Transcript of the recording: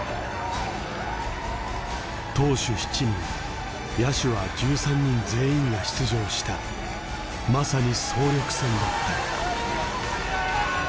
投手７人野手は１３人全員が出場したまさに総力戦だった。